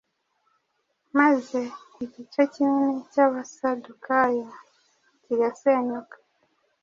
maze igice kinini cy’Abasadukayo kigasenyuka.